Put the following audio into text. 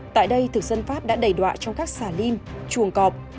tại đây thực dân pháp đã đẩy đoạ cho các xà lim chuồng cọp